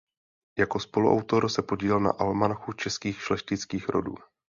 Jako spoluautor se podílel na "Almanachu českých šlechtických rodů".